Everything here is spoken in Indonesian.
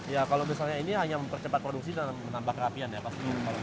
ya kalau misalnya ini hanya mempercepat produksi dan menambah kerafian